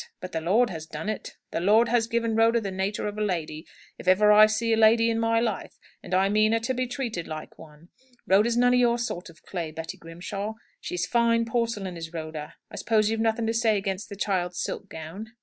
But the Lord has done it. The Lord has given Rhoda the natur' of a lady, if ever I see a lady in my life; and I mean her to be treated like one. Rhoda's none o' your sort of clay, Betty Grimshaw. She's fine porcelain, is Rhoda. I suppose you've nothing to say against the child's silk gown?"